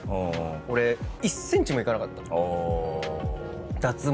俺１ｃｍもいかなかった。